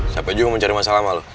siapa juga mau cari masalah sama lu